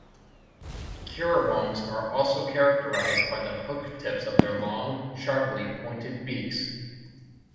Currawongs are also characterised by the hooked tips of their long, sharply pointed beaks.